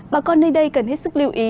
bà con nơi đây cần hết sức lưu ý